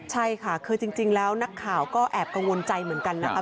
ใช่ค่ะคือจริงแล้วนักข่าวก็แอบกังวลใจเหมือนกันนะคะ